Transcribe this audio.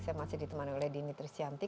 saya masih ditemani oleh dini trisyanti